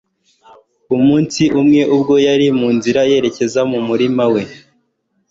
umunsi umwe, ubwo yari mu nzira yerekeza mu murima we